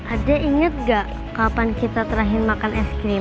ada inget gak kapan kita terakhir makan es krim